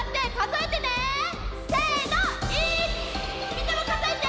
みんなもかぞえて。